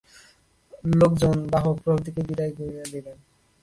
লোকজন, বাহক প্রভৃতিকে বিদায় করিয়া দিলেন।